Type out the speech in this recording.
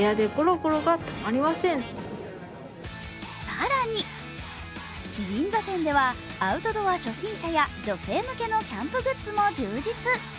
更に、銀座店ではアウトドア初心者や女性向けのキャンプグッズも充実。